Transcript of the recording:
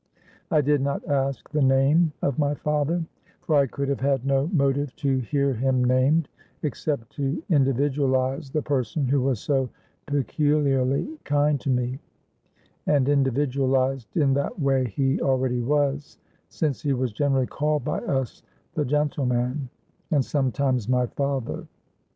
I did not ask the name of my father; for I could have had no motive to hear him named, except to individualize the person who was so peculiarly kind to me; and individualized in that way he already was, since he was generally called by us the gentleman, and sometimes my father.